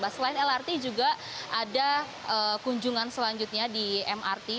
selain lrt juga ada kunjungan selanjutnya di mrt